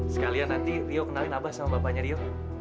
sekalian nanti rio kenalin abah sama bapaknya rio